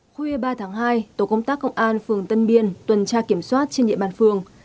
khuya ba tháng hai tổ công tác công an phường tân biên tuần tra kiểm soát trên địa bàn phường